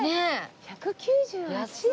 １９８円。